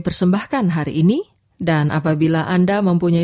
pagi sekalian bangsa terpujilah namanya